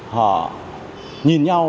họ nhìn nhau